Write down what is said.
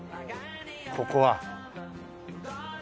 ここは。